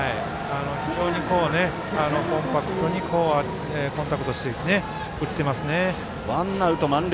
非常にコンパクトにコンタクトして振ってますね。